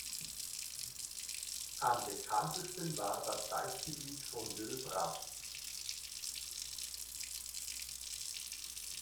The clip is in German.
Am bekanntesten war das Teichgebiet von Döbra.